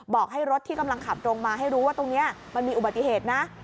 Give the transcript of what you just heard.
บอกให้รถที่กำลังขับตรงมาให้รู้ว่าตรงนี้มันมีอุบัติเหตุนะ